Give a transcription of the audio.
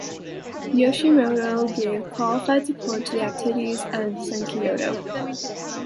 Yoshimoto gave qualified support to the activities of Zenkyoto.